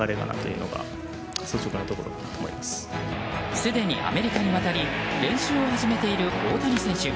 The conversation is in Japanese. すでにアメリカに渡り練習を始めている大谷選手。